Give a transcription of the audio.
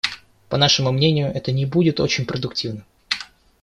По нашему мнению, это не будет очень продуктивным.